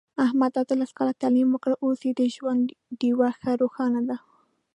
احمد اتلس کاله تعلیم وکړ، اوس یې د ژوند ډېوه ښه روښانه ده.